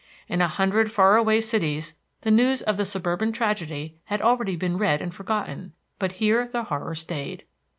In a hundred far away cities the news of the suburban tragedy had already been read and forgotten; but here the horror stayed.